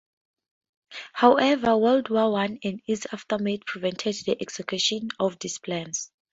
However, World War One and its aftermath prevented the execution of these plans.